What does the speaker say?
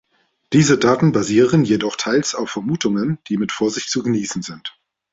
Diese Daten basieren jedoch teils auf Vermutungen, die mit Vorsicht zu genießen sind.